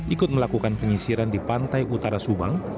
ikut melakukan penyisiran di pantai utara subang